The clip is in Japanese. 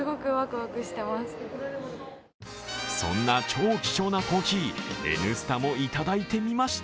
そんな超貴重なコーヒー、「Ｎスタ」もいただいてみました。